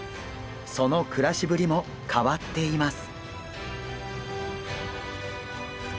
その暮らしぶりも変わっています。